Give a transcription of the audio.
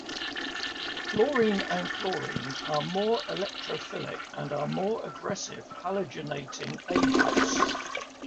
Fluorine and chlorine are more electrophilic and are more aggressive halogenating agents.